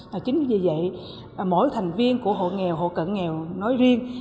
và chính vì vậy mỗi thành viên của hộ nghèo hộ cận nghèo nói riêng